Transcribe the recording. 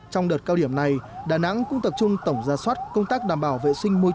trong đợt cao điểm này đà nẵng cũng tập trung tổng ra soát công tác đảm bảo vệ sinh môi trường